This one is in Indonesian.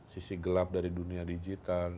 sisi gelap dari dunia digital